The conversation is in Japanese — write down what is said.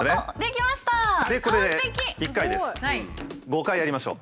５回やりましょう。